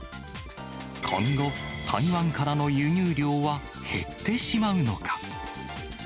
今後、台湾からの輸入量は減ってしまうのか。